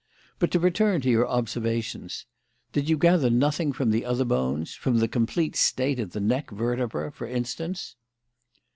But to return to your observations: did you gather nothing from the other bones? From the complete state of the neck vertebrae, for instance?"